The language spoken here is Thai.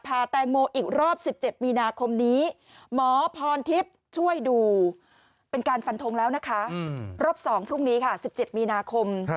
แตงโมอีกรอบ๑๗มีนาคมนี้หมอพรทิพย์ช่วยดูเป็นการฟันทงแล้วนะคะรอบ๒พรุ่งนี้ค่ะ๑๗มีนาคม